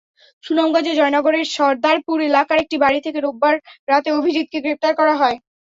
সুনামগঞ্জের জয়নগরের সরদারপুর এলাকার একটি বাড়ি থেকে রোববার রাতে অভিজিৎকে গ্রেপ্তার করা হয়।